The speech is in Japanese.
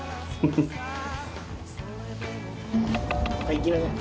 行きなさい。